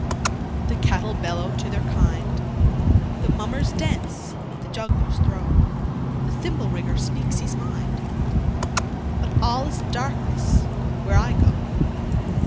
The cattle bellow to their kind, The mummers dance, the jugglers throw, The thimble rigger speaks his mind—But all is darkness where I go.